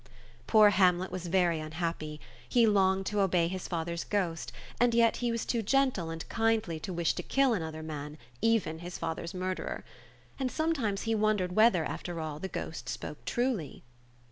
Poor Hamlet was very unhappy. He longed to obey his father's ghost — and yet he was too gentle and kindly to wish to kill another man, even his father's murderer. And sometimes he wondered whether, after all, the ghost spoke truly.